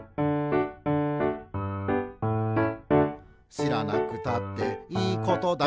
「しらなくたっていいことだけど」